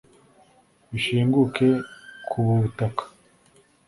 bishinguke ku ubu butaka